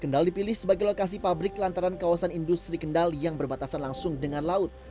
kendal dipilih sebagai lokasi pabrik lantaran kawasan industri kendal yang berbatasan langsung dengan laut